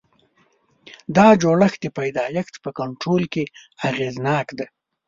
دا جوړښت د پیدایښت په کنټرول کې اغېزناک دی.